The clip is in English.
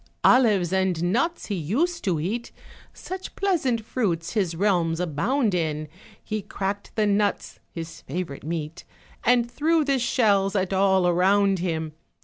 Olives and nuts he used to eat, Such pleasant fruits his realms abound in, He cracked the nuts (his favorite meat), And threw the shells at all around him.